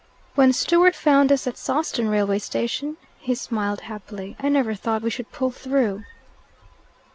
"When Stewart found us at Sawston railway station?" He smiled happily. "I never thought we should pull through."